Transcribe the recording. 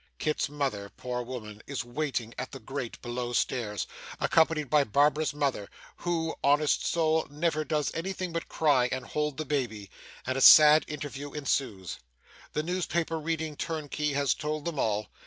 Kit's mother, poor woman, is waiting at the grate below stairs, accompanied by Barbara's mother (who, honest soul! never does anything but cry, and hold the baby), and a sad interview ensues. The newspaper reading turnkey has told them all.